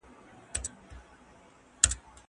زه لوبه نه کوم!!